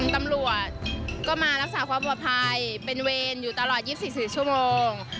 ตำรวจก็มารักษาความปลอดภัยเป็นเวรอยู่ตลอด๒๔ชั่วโมง